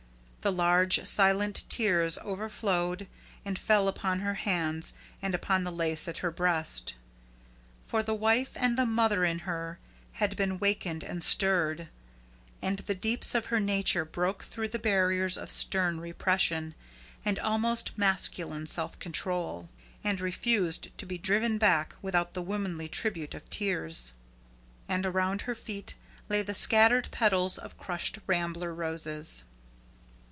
And large silent tears overflowed and fell upon her hands and upon the lace at her breast. For the wife and the mother in her had been wakened and stirred, and the deeps of her nature broke through the barriers of stern repression and almost masculine self control, and refused to be driven back without the womanly tribute of tears. And around her feet lay the scattered petals of crushed rambler roses.